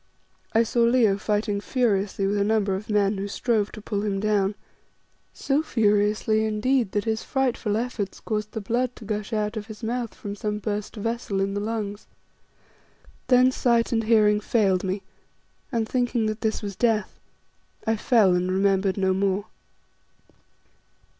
I saw Leo fighting furiously with a number of men who strove to pull him down, so furiously, indeed that his frightful efforts caused the blood to gush out of his mouth from some burst vessel in the lungs. Then sight and hearing failed me, and thinking that this was death, I fell and remembered no more.